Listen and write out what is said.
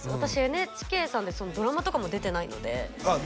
ＮＨＫさんでドラマとかも出てないのであっ